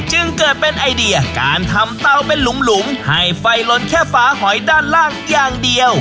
จึงเกิดเป็นไอเดียการทำเตาเป็นหลุมให้ไฟลนแค่ฝาหอยด้านล่างอย่างเดียว